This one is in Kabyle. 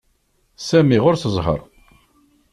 Sami ɣuṛ-s ẓhaṛ.